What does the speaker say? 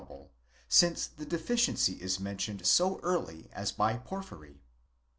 10> able, since the deficiency is mentioned so early as by Porphyry.?